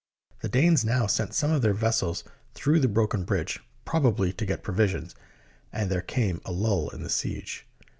The Danes now sent some of their vessels through the broken bridge, probably to get provisions, and there came a lull in the siege.